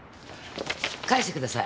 返してください！